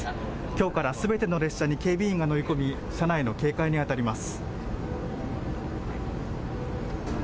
きょうからすべての列車に警備員が乗り込み車内の警戒にあたります。